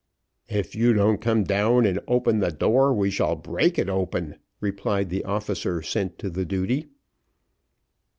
"If you don't come down and open the door, we shall break it open," replied the officer sent to the duty.